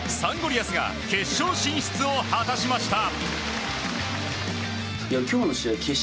リアスが決勝進出を果たしました。